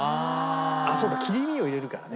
そうか切り身を入れるからね。